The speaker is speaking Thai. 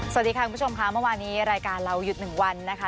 สวัสดีค่ะคุณผู้ชมค่ะเมื่อวานนี้รายการเราหยุดหนึ่งวันนะคะ